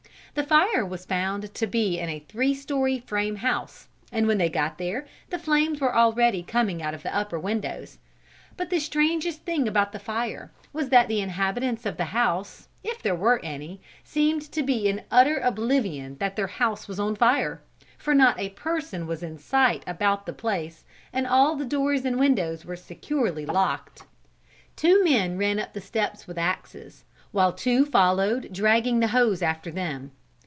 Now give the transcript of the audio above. The fire was found to be in a three story frame house, and when they got there the flames were already coming out of the upper windows; but the strangest thing about the fire was that the inhabitants of the house, if there were any, seemed to be in utter oblivion that their house was on fire for not a person was in sight about the place and all the doors and windows were securely locked. Two men ran up the steps with axes, while two followed dragging the hose after them.